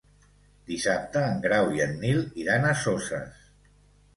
Dissabte en Grau i en Nil iran a Soses.